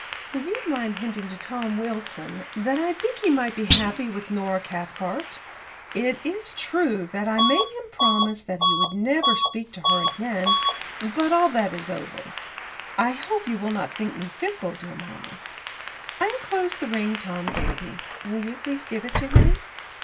Will you mind hinting to Tom Wilson that I think he might be happy with Nora Cathcart? It is true that I made him promise that he would never speak to her again, but all that is over. I hope you will not think me fickle, dear mamma. I enclose the ring Tom gave me. Will you please give it to him?